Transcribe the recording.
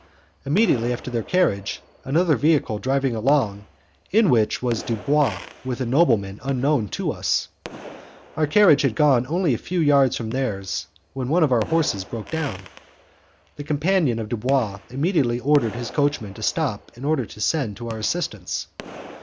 Immediately after their carriage another vehicle drove along, in which was Dubois with a nobleman unknown to us. Our carriage had only gone a few yards from theirs when one of our horses broke down. The companion of Dubois immediately ordered his coachman to stop in order to send to our assistance.